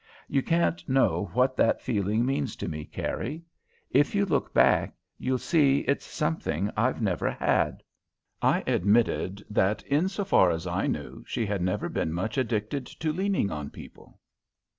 You can't know what that feeling means to me, Carrie. If you look back, you'll see it's something I've never had." I admitted that, in so far as I knew, she had never been much addicted to leaning on people.